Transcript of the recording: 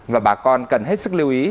và bà con cần hết sức lưu ý